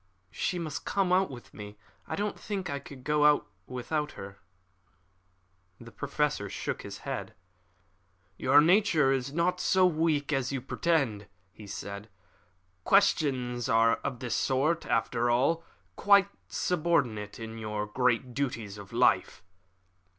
She must come out with me. I don't think I could go without her." The Professor shook his head. "Your nature is not so weak as you pretend," he said. "Questions of this sort are, after all, quite subordinate to the great duties of life."